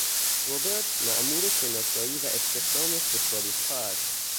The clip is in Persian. روبرت مامور شناسایی و استخدام فوتبالیستها است.